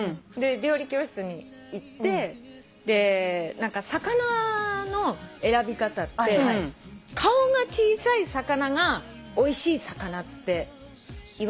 料理教室に行って魚の選び方って顔が小さい魚がおいしい魚っていわれてる。